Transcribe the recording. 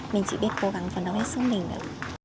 mình chỉ biết cố gắng phản đấu hết sức mình ạ